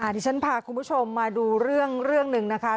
ที่ฉันพาคุณผู้ชมมาดูเรื่องหนึ่งนะคะ